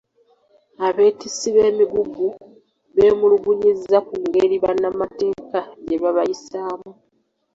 Abeetissi b’emigugu, beemulugunyiza kungeri bannamatekka gyebabayisaamu.